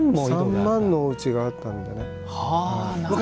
３万のおうちがあったんですね。